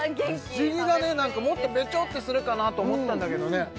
不思議だねもっとべちょってするかなと思ったんだけどね